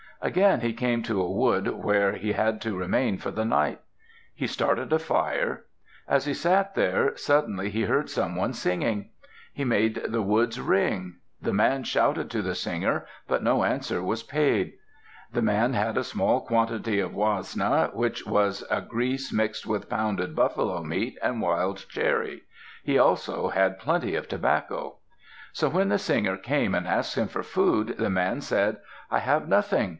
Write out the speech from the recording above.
Again he came to a wood where he had to remain for the night. He started a fire. As he sat there, suddenly he heard someone singing. He made the woods ring. The man shouted to the singer, but no answer was paid. The man had a small quantity of wasna, which was grease mixed with pounded buffalo meat, and wild cherry; he also had plenty of tobacco. So when the singer came and asked him for food, the man said, "I have nothing."